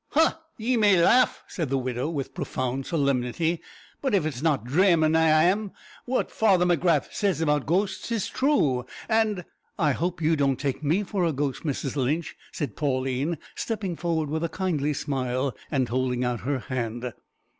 "Ha! ye may laugh," said the widow, with profound solemnity, "but if it's not dramin' I am, what Father Macgrath says about ghosts is true, and " "I hope you don't take me for a ghost, Mrs Lynch," said Pauline, stepping forward with a kindly smile and holding out her hand.